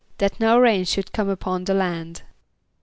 =That no rain should come upon the land.